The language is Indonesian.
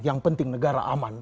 yang penting negara aman